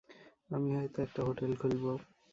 আমি হয়তো একটা হোটেল খুলবো।